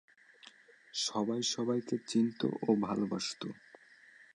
সবাই সবাইকে চিনত ও ভালোবাসত।